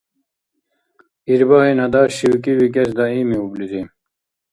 Ирбагьин–ада шивкӏивикӏес даимиублири: